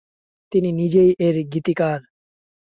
তিনি নিজেই এর গীতিকার।